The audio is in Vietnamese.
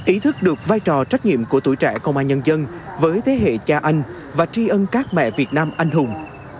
ý thức được vai trò trách nhiệm của tuổi trẻ công an nhân dân với thế hệ cha anh và tri ân các mẹ việt nam anh hùng